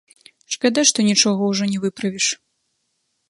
Шкада, што нічога ўжо не выправіш.